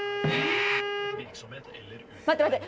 待って待って！